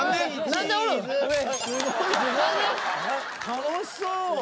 楽しそう。